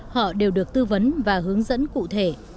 họ đều được tư vấn và hướng dẫn cụ thể